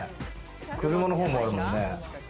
車の本もあるもんね。